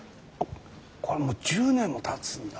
これもう１０年もたつんだ。